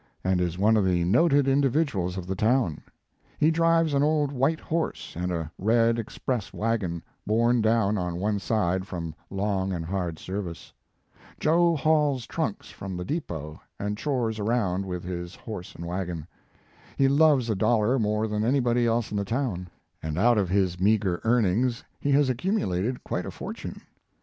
and is one of the noted indi viduals of the town. He drives an old white horse and a red express wagon, borne down on one side from long and hard service. Jo hauls trunks from the depot and chores around with his horse and wagon. He loves a dollar more than anybody else in the town, and out of his meagre earnings he has accumulated quite a fortune.